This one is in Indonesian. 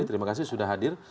terima kasih sudah hadir